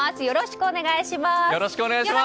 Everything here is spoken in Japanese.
よろしくお願いします。